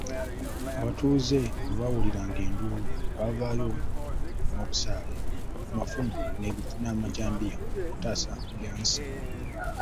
Abatuuze bwe bawuliranga enduulu, nga bavaayo n'obusaale, amafumu n'amajambiya okutaasa Byansi.